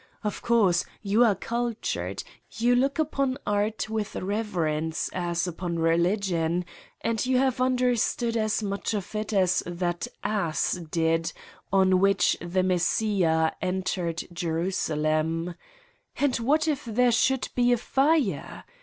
Of course, you are cultured, you look upon art with reverence as upon religion and you have understood as much of it as that ass did on which the Messiah entered Jerusalem. And what if there should be a fire?